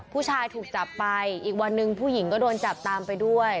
ผู้ชายถูกจับไปอีกวันหนึ่งผู้หญิงก็โดนจับตามไปด้วย